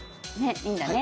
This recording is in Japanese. いいんだね。